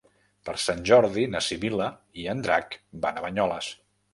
Per Sant Jordi na Sibil·la i en Drac van a Banyoles.